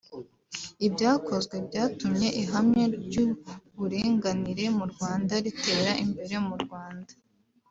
Ibyakozwe byatumye ihame ry’uburinganire mu Rwanda ritera imbere mu Rwanda